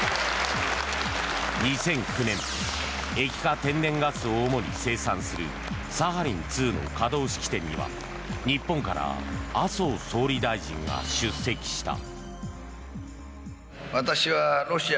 ２００９年液化天然ガスを主に生産するサハリン２の稼働式典には日本から麻生総理大臣が出席した。